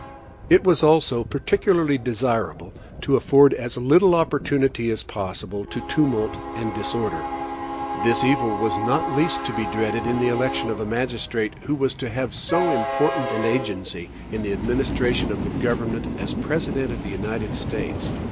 It was also peculiarly desirable to afford as little opportunity as possible to tumult and disorder. This evil was not least to be dreaded in the election of a magistrate, who was to have so important an agency in the administration of the government as the President of the United States.